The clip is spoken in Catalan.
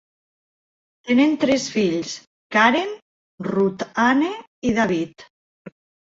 Tenen tres fills: Karen, Ruth Anne i David.